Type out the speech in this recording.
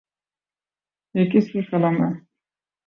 یہ کس کی قلم ہے ؟